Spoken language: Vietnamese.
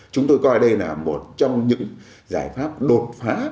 chúng tôi coi đây là một trong những giải pháp đột phá